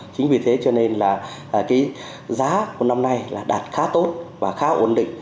chính vì thế cho nên là cái giá của năm nay là đạt khá tốt và khá ổn định